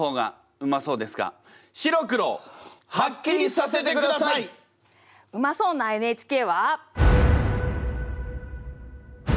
うまそうな「ＮＨＫ」は。